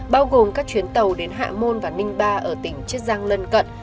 bao gồm các chuyến tàu đến hạ môn và ninh ba ở tỉnh chiết giang lân cận